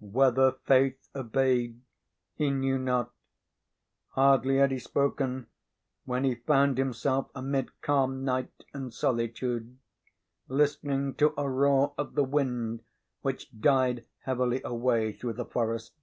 Whether Faith obeyed he knew not. Hardly had he spoken when he found himself amid calm night and solitude, listening to a roar of the wind which died heavily away through the forest.